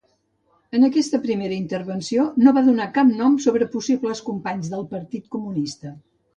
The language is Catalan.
En aquesta primera intervenció, no va donar cap nom sobre possibles companys del Partit Comunista.